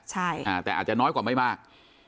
ใช่แต่อาจจะน้อยกว่าไม่มาก